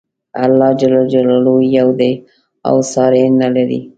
الله ج یو دی او ساری نه لري.